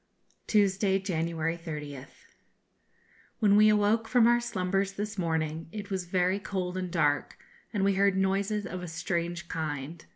_ Tuesday, January 30th. When we awoke from our slumbers this morning, it was very cold and dark, and we heard noises of a strange kind.